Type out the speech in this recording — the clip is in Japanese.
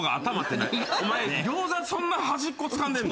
お前ギョーザそんな端っこつかんでんの？